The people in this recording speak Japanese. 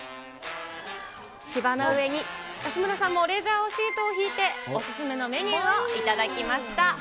芝の上に、安村さんもレジャーシートを敷いてお勧めのメニューを頂きました。